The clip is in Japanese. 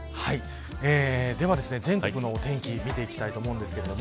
では全国のお天気見ていきたいと思います。